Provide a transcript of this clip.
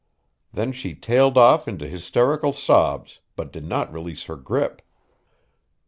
Then she tailed off into hysterical sobs, but did not release her grip.